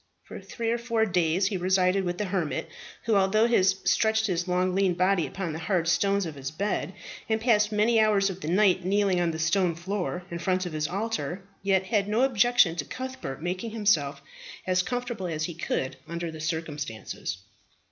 For three or four days he resided with the hermit, who, although he stretched his long lean body upon the hard stones of his bed, and passed many hours of the night kneeling on the stone floor in front of his alter, yet had no objection to Cuthbert making himself as comfortable as he could under the circumstances.